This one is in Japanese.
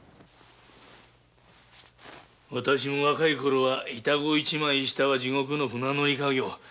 わたしも若いころは板子一枚下は地獄の舟乗り稼業。